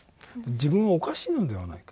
「自分はおかしいのではないか。